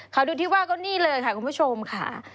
ดูที่ว่าก็นี่เลยค่ะคุณผู้ชมค่ะ